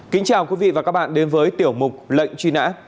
kính chào quý vị và các bạn đến với tiểu mục lệnh truy nã